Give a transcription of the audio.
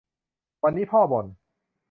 วันนี้พ่อบ่น